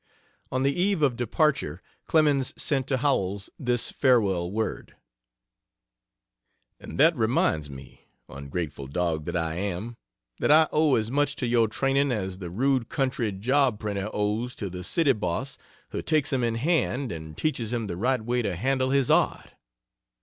On the eve of departure, Clemens sent to Howells this farewell word: "And that reminds me, ungrateful dog that I am, that I owe as much to your training as the rude country job printer owes to the city boss who takes him in hand and teaches him the right way to handle his art.